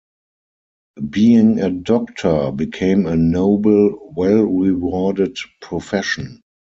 Being a doctor became a noble, well-rewarded profession.